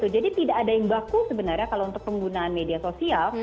jadi tidak ada yang baku sebenarnya kalau untuk penggunaan media sosial